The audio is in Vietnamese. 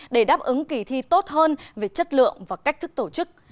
để đáp ứng kỳ thi tốt hơn về chất lượng và cách thức tổ chức